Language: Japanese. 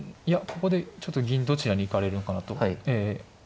いやここでちょっと銀どちらに行かれるのかなと。